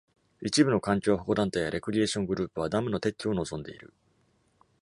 一部の環境保護団体やレクリエーション・グループは、ダムの撤去を望んでいる。